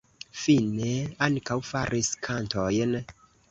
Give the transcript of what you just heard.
Finne ankaŭ faris kantojn.